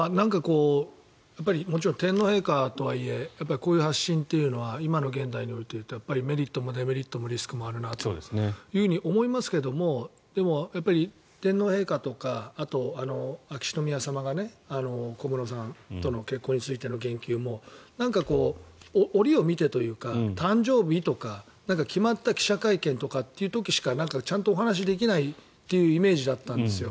もちろん天皇陛下とはいえこういう発信というのは今の現代においてメリットもデメリットもリスクもあるなと思いますが天皇陛下とかあと秋篠宮さまが小室さんとの結婚についての言及もなんか、折を見てというか誕生日とか決まった記者会見という時しかちゃんとお話しできないというイメージだったんですよ。